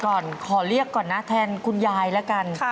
ก่อนขอเรียกก่อนนะแทนคุณยายละกัน